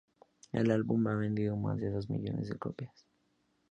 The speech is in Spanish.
El álbum ha vendido más de dos millones de copias.